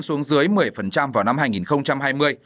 xuống dưới một mươi vào năm hai nghìn hai mươi